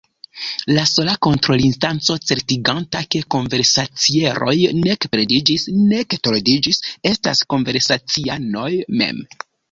La sola kontrolinstanco certiganta, ke konversacieroj nek perdiĝis nek tordiĝis, estas la konversacianoj mem.